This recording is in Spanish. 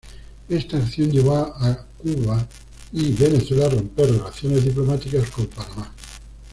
Esta acción llevó a Cuba y Venezuela a romper relaciones diplomáticas con Panamá.